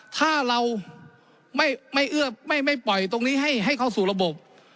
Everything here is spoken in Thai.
ถ้าเราไม่เอื้อไม่ปล่อยตรงนี้ให้เข้าสู่ระบบ